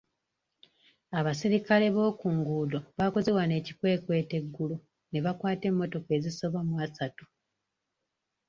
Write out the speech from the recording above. Abasirikale bookunguuddo baakoze wano ekikwekweto eggulo ne bakwata emmotoka ezisoba mu asatu.